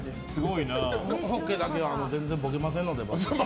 ホッケーだけは全然ボケませんので。